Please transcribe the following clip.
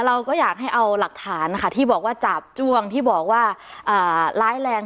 เราก็อยากให้เอาหลักฐานนะคะที่บอกว่าจาบจ้วงที่บอกว่าร้ายแรง